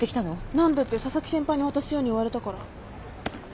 何でって紗崎先輩に渡すように言われたから。